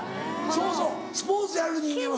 そうそうスポーツやる人間は。